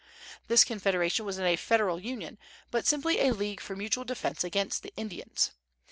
This confederation was not a federal union, but simply a league for mutual defence against the Indians.